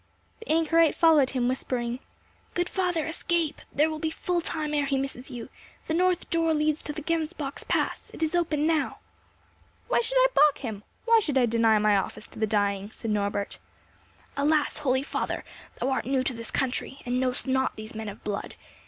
The anchorite followed him, whispering—"Good father, escape! There will be full time ere he misses you. The north door leads to the Gemsbock's Pass; it is open now." "Why should I baulk him? Why should I deny my office to the dying?" said Norbert. "Alas! holy father, thou art new to this country, and know'st not these men of blood!